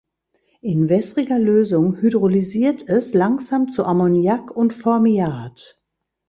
In wässriger Lösung hydrolysiert es langsam zu Ammoniak und Formiat.